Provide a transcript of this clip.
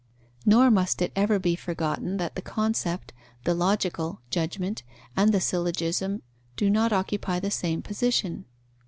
Nor must it ever be forgotten that the concept, the (logical) judgment, and the syllogism do not occupy the same position.